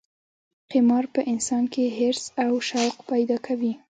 قمار په انسان کې حرص او شوق پیدا کوي.